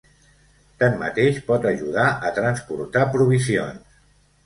Tanmateix, pot ajudar a transportar provisions.